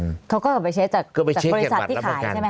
เขาก็ออกไปเช็คจากบริษัทที่ขายใช่ไหมค